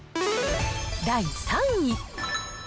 第３位。